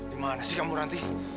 di mana sih kamu randi